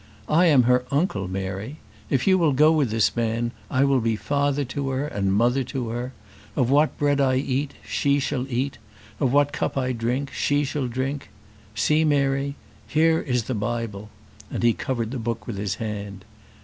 I am her uncle, Mary. If you will go with this man I will be father to her and mother to her. Of what bread I eat, she shall eat; of what cup I drink, she shall drink. See, Mary, here is the Bible;" and he covered the book with his hand.